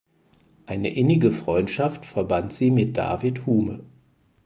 Eine innige Freundschaft verband sie mit David Hume.